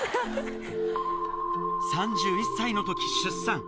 ３１歳のとき、出産。